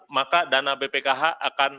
maka dana bpkh akan